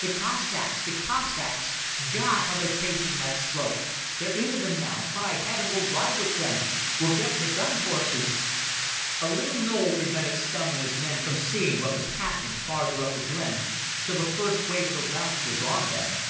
"The Cossacks! The Cossacks! God! How they're taking that slope! They're into them now. By heaven, we'll ride with them! We'll get the gun horses!" A little knoll prevented Stumm and his men from seeing what was happening farther up the glen, till the first wave of the rout was on them.